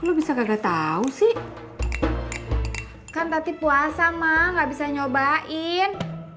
lu bisa kagak tahu sih kan tati puasa mah nggak bisa nyobain